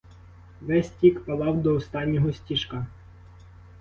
Весь тік палав до останнього стіжка.